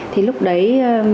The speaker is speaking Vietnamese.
thì lúc đấy